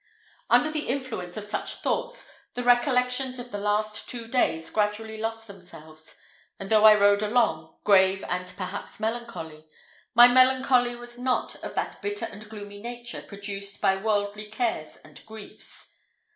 Under the influence of such thoughts, the recollections of the last two days gradually lost themselves; and though I rode along, grave and perhaps melancholy, my melancholy was not of that bitter and gloomy nature produced by worldly cares and griefs.